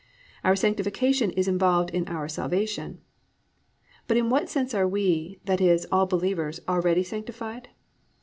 Our sanctification is involved in our salvation. But in what sense are we, that is, all believers, already sanctified?